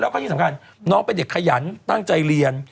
แล้วก็ที่สำคัญน้องเป็นเด็กขยันตั้งใจเรียน